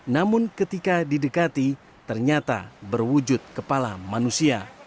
namun ketika didekati ternyata berwujud kepala manusia